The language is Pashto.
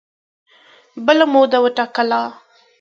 بله موده وټاکله